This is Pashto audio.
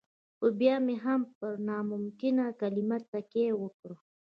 خو بيا يې هم پر ناممکن کلمه تکيه وکړه.